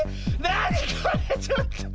なにこれ⁉ちょっと。